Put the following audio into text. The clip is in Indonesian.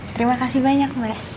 terima kasih banyak mbak